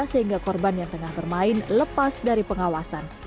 sehingga korban yang tengah bermain lepas dari pengawasan